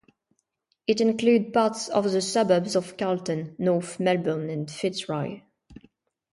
It included parts of the suburbs of Carlton, North Melbourne and Fitzroy.